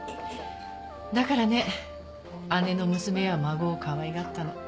だからね姉の娘や孫をかわいがったの。